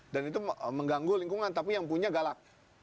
itu mengganggu lingkungan tapi yang punya galak